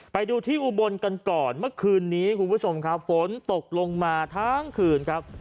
ไปดูที่อุบลกันก่อนเมื่อคืนนี้คุณผู้ชมครับฝนตกลงมาทั้งคืนครับ